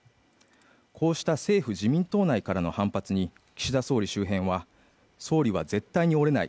こうした政府・自民党内からの反発に岸田総理周辺は総理は絶対に折れない